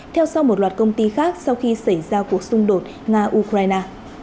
theo sau một loạt công ty khác sau khi xảy ra cuộc xung đột nga ukraine